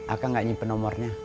akan gak nyimpen nomornya